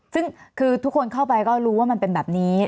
ซึ่งคือทุกคนเข้าไปก็รู้ว่ามันเป็นแบบนี้